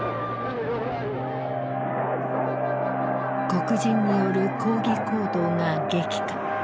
黒人による抗議行動が激化。